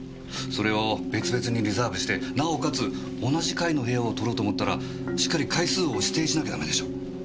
それを別々にリザーブしてなおかつ同じ階の部屋を取ろうと思ったらしっかり階数を指定しなきゃダメでしょ。